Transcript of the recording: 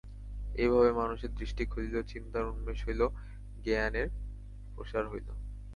এইভাবে মানুষের দৃষ্টি খুলিল, চিন্তার উন্মেষ হইল এবং জ্ঞানের প্রসার হইল।